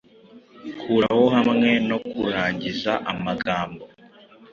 Kuraho hamwe na kurangiza amagambo